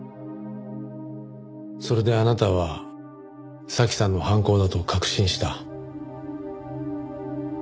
それであなたは早紀さんの犯行だと確信した。